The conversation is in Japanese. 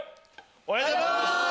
おはようございます！